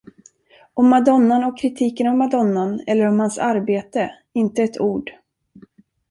Om madonnan och kritiken av madonnan eller om hans arbete inte ett ord.